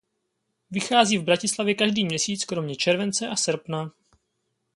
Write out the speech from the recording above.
Vychází v Bratislavě každý měsíc kromě července a srpna.